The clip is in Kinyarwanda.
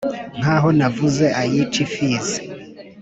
nk' aho navuze ayica impfizi.